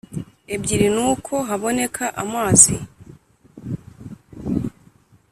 ebyiri Nuko haboneka amazi